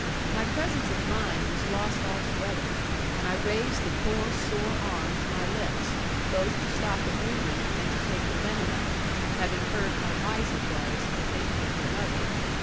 My presence of mind was lost altogether; and I raised the poor sore arm to my lips, both to stop the bleeding and to take the venom out, having heard how wise it was, and thinking of my mother.